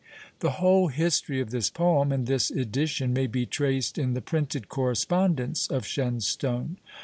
The whole history of this poem, and this edition, may be traced in the printed correspondence of Shenstone.